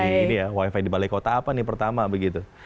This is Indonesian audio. ini ya wifi di balai kota apa nih pertama begitu